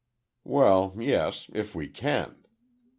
"Well, yes, if we can."